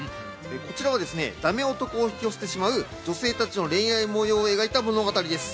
こちらはですね、ダメ男引き寄せてしまう女性たちの恋愛模様を描いた物語です。